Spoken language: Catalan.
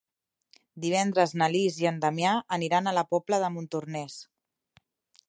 Divendres na Lis i en Damià aniran a la Pobla de Montornès.